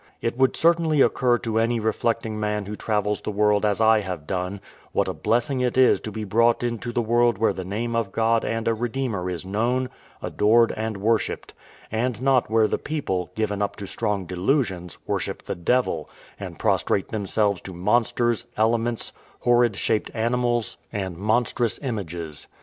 It would certainly occur to any reflecting man who travels the world as I have done, what a blessing it is to be brought into the world where the name of God and a Redeemer is known, adored, and worshipped; and not where the people, given up to strong delusions, worship the devil, and prostrate themselves to monsters, elements, horrid shaped animals, and monstrous images.